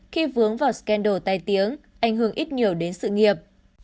khi vướng vào scandal tay tiếng ảnh hưởng ít nhiều đến sự nghiệp